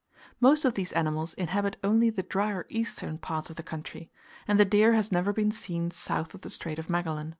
Most of these animals inhabit only the drier eastern parts of the country; and the deer has never been seen south of the Strait of Magellan.